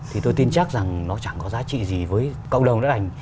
thì tôi tin chắc rằng nó chẳng có giá trị gì với cộng đồng đất ảnh